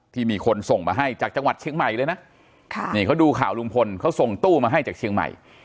ที่มีคนส่งมาให้จากจังหวัดเชียงใหม่เลยนะค่ะนี่เขาดูข่าวลุงพลเขาส่งตู้มาให้จากเชียงใหม่